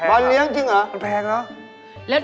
โอเรโอ